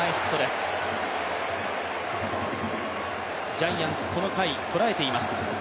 ジャイアンツ、この回捉えています。